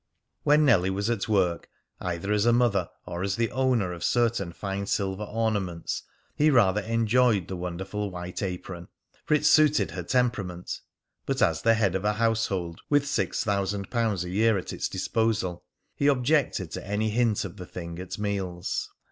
When Nellie was at work, either as a mother or as the owner of certain fine silver ornaments, he rather enjoyed the wonderful white apron, for it suited her temperament; but as the head of a household with six thousand pounds a year at its disposal, he objected to any hint of the thing at meals.